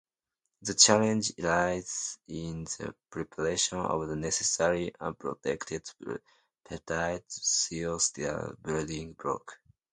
The challenge lies in the preparation of the necessary unprotected peptide-thioester building block.